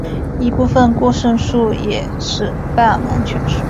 一部分过剩数也是半完全数。